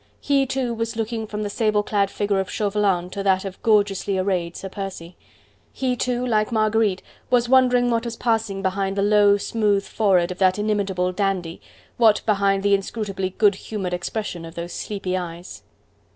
He, too, was looking from the sable clad figure of Chauvelin to that of gorgeously arrayed Sir Percy. He, too, like Marguerite, was wondering what was passing behind the low, smooth forehead of that inimitable dandy, what behind the inscrutably good humoured expression of those sleepy eyes.